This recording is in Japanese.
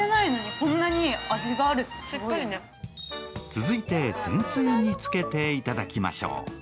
続いて天つゆにつけていただきましょう。